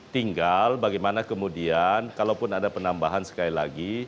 tinggal bagaimana kemudian kalaupun ada penambahan sekali lagi